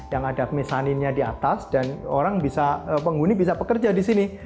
yang ada mezaninnya di atas dan orang bisa penghuni bisa pekerja disini